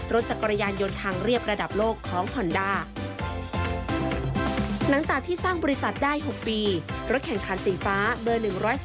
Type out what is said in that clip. รถแข่งขันสีฟ้าเบอร์๑๓๖